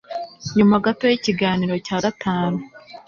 Nyuma gato y'ikiganiro cya gatanu